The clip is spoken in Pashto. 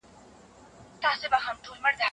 دا روژه نیول مستحب عمل دی.